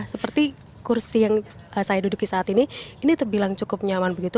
seperti kursi yang saya duduki saat ini ini terbilang cukup nyaman begitu